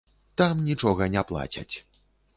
Там нічога не плацяць.